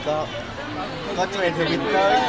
แล้วก็เจอเฮบสุด